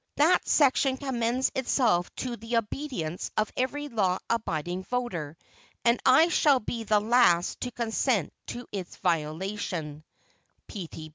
That section commends itself to the obedience of every law abiding voter, and I shall be the last to consent to its violation.